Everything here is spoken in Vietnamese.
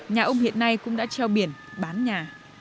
nhà ông hiện nay cũng đã treo biển bán nhà